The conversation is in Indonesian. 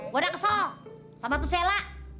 gue udah kesel sama tuh sela